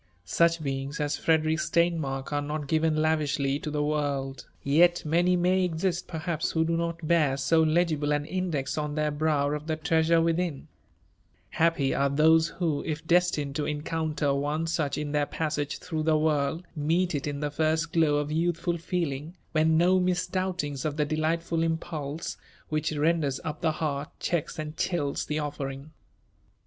Such beings «s Ff«derick Steinmark: are not given lavishly to tb^ world ; y^t many AMty ^xiat, perhdps, who 4o not hoar ao togihio an ii^% on tWr hr<9w of 0^ U09mr» within* Happy aro thpee who, if deitined to onoountar one such in their passage through the world, meet it in the first glow i4 yoothfol feeling, when no mis4ouhtiags of tbo delightfiil impulse, which reodarK up the heart checks mA chills the ofl^riqg